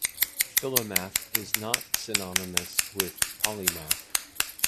"Philomath" is not synonymous with "polymath".